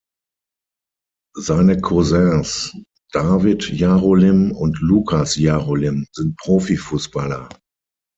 Seine Cousins David Jarolím und Lukáš Jarolím sind Profifußballer.